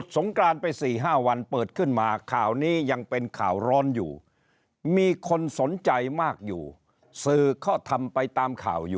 สวัสดีครับท่านผู้ชมครับ